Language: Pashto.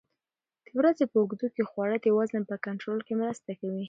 د ورځې په اوږدو کې خواړه د وزن په کنټرول کې مرسته کوي.